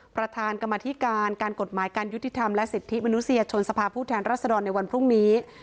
ประธานกรรมธิการการกฎหมายการยุติธรรมและสิทธิมนุษยชนสภาพผู้แทนรัศดรในวันพรุ่งนี้